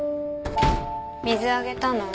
水あげたの？